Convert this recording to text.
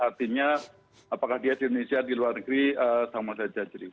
artinya apakah dia di indonesia di luar negeri sama saja